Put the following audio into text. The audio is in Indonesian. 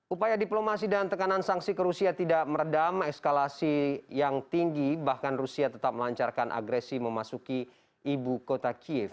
upaya diplomasi dan tekanan sanksi ke rusia tidak meredam eskalasi yang tinggi bahkan rusia tetap melancarkan agresi memasuki ibu kota kiev